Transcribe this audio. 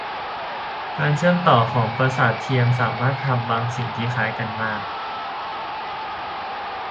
การเชื่อมต่อของประสาทเทียมสามารถทำบางสิ่งที่คล้ายกันมาก